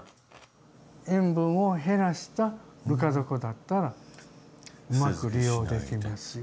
塩分を減らしたぬか床だったらうまく利用できますよと。